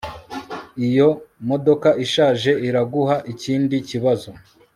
Iyo modoka ishaje iraguha ikindi kibazo